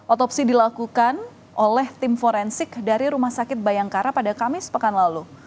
otopsi dilakukan oleh tim forensik dari rumah sakit bayangkara pada kamis pekan lalu